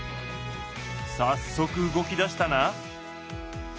早速動きだしたな。